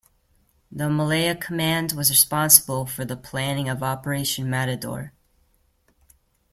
The Malaya Command was responsible for the planning of Operation Matador.